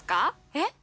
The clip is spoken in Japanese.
えっ？